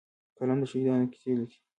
قلم د شهیدانو کیسې لیکي